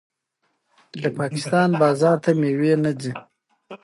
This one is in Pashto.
د پاکستان بازار ته میوې ځي.